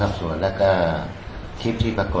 ค่าบอกสื่อตามตัวอุทิศเติมทางชีวิตเขาให้สักครั้ง